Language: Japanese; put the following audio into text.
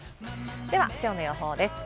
ではきょうの予報です。